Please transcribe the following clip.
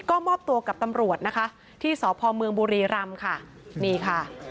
ก็มอบตัวกับตำรวจนะคะที่สพเมืองบุรีรำค่ะนี่ค่ะ